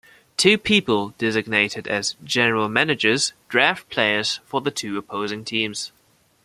Two people designated as "general managers" draft players for the two opposing teams.